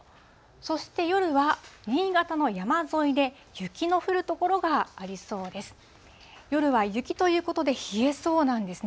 そして夜は新潟の山沿いで雪の降る所がありそうです。